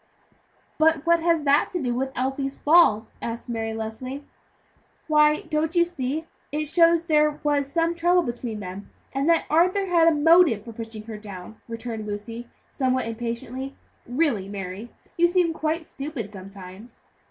"But what has that to do with Elsie's fall?" asked Mary Leslie. "Why, don't you see that it shows there was some trouble between them, and that Arthur had a motive for pushing her down," returned Lucy, somewhat impatiently. "Really, Mary, you seem quite stupid sometimes."